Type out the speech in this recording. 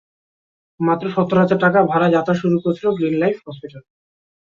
মাত্র সত্তর হাজার টাকা ভাড়ায় যাত্রা শুরু করেছিল গ্রিন লাইফ হাসপাতাল।